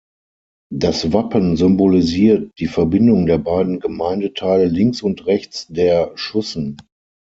Das Wappen symbolisiert die Verbindung der beiden Gemeindeteile links und rechts der Schussen.